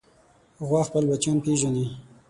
غوا خپل بچیان پېژني.